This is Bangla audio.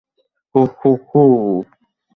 হোঃ হোঃ হোঃ হোঃ হোঃ হোঃ।